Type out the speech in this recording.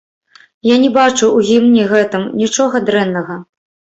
Я не бачу ў гімне гэтым нічога дрэннага.